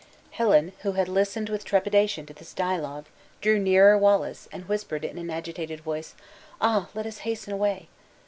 Helen, who had listened with trepidation to this dialogue, drew nearer Wallace, and whispered in an agitated voice, "Ah! let us hasten away."